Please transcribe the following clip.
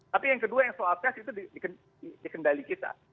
tapi yang kedua yang soal tes itu dikendali kita